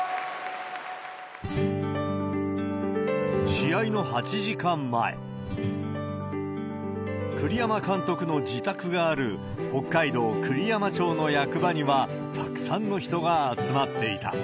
試合の８時間前、栗山監督の自宅がある、北海道栗山町の役場には、たくさんの人が集まっていた。